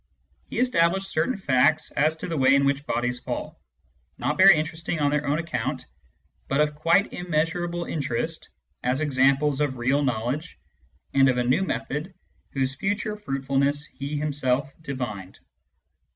He established certain facts as to the way in which bodies fall, not very interesting on their own accoimt, but of quite immeasurable interest as examples of real knowledge and of a new method whose future fruitfulness he himself divined.